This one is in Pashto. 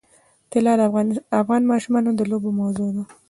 طلا د افغان ماشومانو د لوبو موضوع ده.